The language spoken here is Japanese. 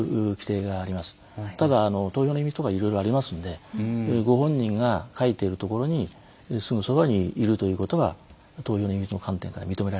ただ投票の秘密とかいろいろありますのでご本人が書いているところにすぐそばにいるということは投票の秘密の観点から認められないと。